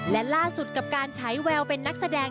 และล่าสุดกับการใช้แววเป็นนักแสดง